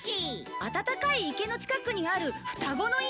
「あたたかい池の近くにあるふたごの家」！？